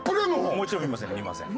もちろん見ません見ません。